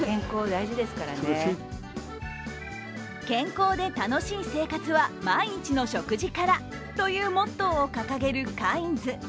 健康で楽しい生活は毎日の食事からというモットーを掲げるカインズ。